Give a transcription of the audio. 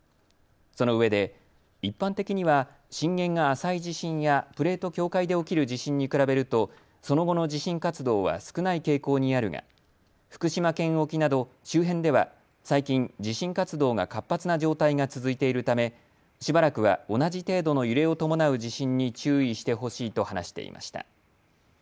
そのうえで一般的には震源が浅い地震やプレート境界で起きる地震に比べるとその後の地震活動は少ない傾向にあるが福島県沖など周辺では最近、地震活動が活発な状態が続いているためしばらくは同じ程度の揺れを伴う地震に注意してほしいと話していました。